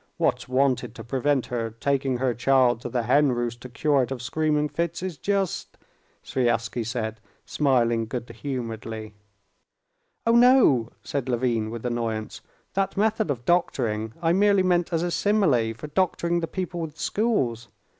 What's wanted to prevent her taking her child to the hen roost to cure it of screaming fits is just...." Sviazhsky said, smiling good humoredly. "Oh, no!" said Levin with annoyance; "that method of doctoring I merely meant as a simile for doctoring the people with schools.